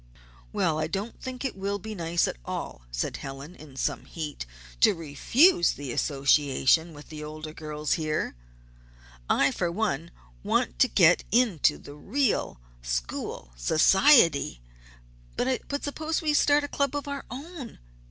"Well, I don't think it will be nice at all," said Helen, in some heat, "to refuse to associate with the older girls here. I, for one, want to get into the real school society " "But suppose we start a club of our own?"